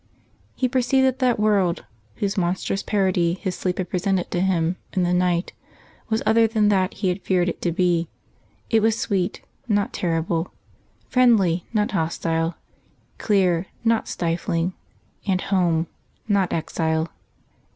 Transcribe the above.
He perceived that that world, whose monstrous parody his sleep had presented to him in the night, was other than that he had feared it to be; it was sweet, not terrible; friendly, not hostile; clear, not stifling; and home, not exile.